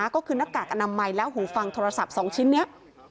ก็คือหน้ากากอนามัยและหูฟังโทรศัพท์๒ชิ้นนี้